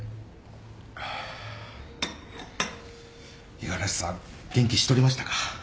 五十嵐さん元気しとりましたか？